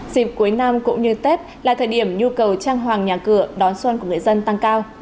dịp cuối năm cũng như tết là thời điểm nhu cầu trang hoàng nhà cửa đón xuân của người dân tăng cao